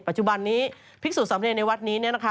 ปัจจุบันนี้ภิกษุสำเร็จในวัดนี้นะคะ